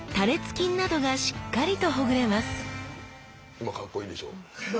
今かっこいいでしょ？